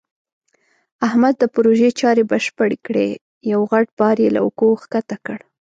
احمد د پروژې چارې بشپړې کړې. یو غټ بار یې له اوږو ښکته کړ.